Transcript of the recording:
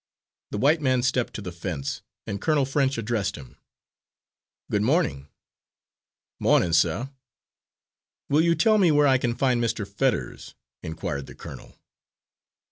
The white man stepped to the fence, and Colonel French addressed him. "Good morning." "Mornin', suh." "Will you tell me where I can find Mr. Fetters?" inquired the colonel.